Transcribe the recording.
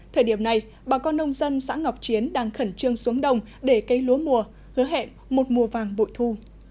thời điểm này bà con nông dân xã ngọc chiến đang khẩn trương xuống đồng để cây lúa mùa hứa hẹn một mùa vàng bội thu